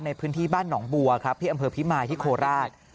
ในพื้นที่บ้านหนองบัวครับที่อำเภอพิมายที่โคราช